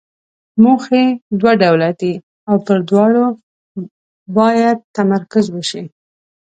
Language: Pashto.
موخې دوه ډوله دي او پر دواړو باید تمرکز وشي.